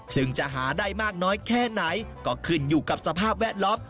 ซึ่งจะหาได้มากน้อยแค่ไหนก็ขึ้นอยู่กับสภาพแวดล้อม